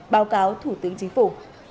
báo cáo thủ tướng chính phủ